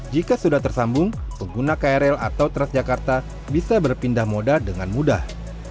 jika sudah tersambung pengguna krl atau transjakarta bisa berpindah moda dengan mudah